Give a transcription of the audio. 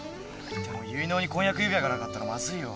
でも結納に婚約指輪がなかったらまずいよ。